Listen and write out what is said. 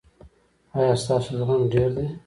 ایا ستاسو زغم ډیر دی؟